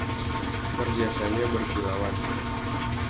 Perhiasannya berkilauan.